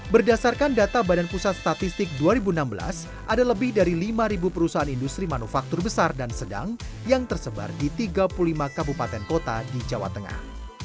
berdasarkan data badan pusat statistik dua ribu enam belas ada lebih dari lima perusahaan industri manufaktur besar dan sedang yang tersebar di tiga puluh lima kabupaten kota di jawa tengah